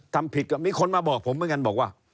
ทำผิดก็มีคนมาบอกผมเหมือนกันบอกว่า